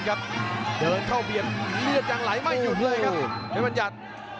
ได้อยู่เลยครับเพย์มันหยัด